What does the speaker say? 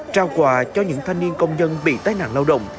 trao quà cho những thanh niên công nhân bị tai nạn lao động